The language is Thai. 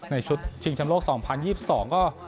ในชุดชิงชำโลก๒๐๒๒ก็